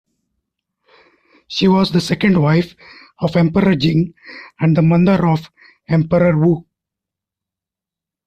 She was the second wife of Emperor Jing and the mother of Emperor Wu.